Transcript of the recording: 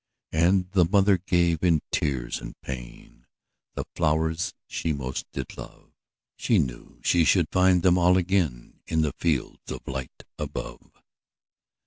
'' And the mother gave, in tears and pain, The flowers she most did love; She knew she should find them all again In the fields of light above.